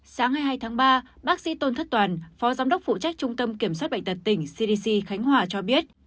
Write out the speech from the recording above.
sáng ngày hai tháng ba bác sĩ tôn thất toàn phó giám đốc phụ trách trung tâm kiểm soát bệnh tật tỉnh cdc khánh hòa cho biết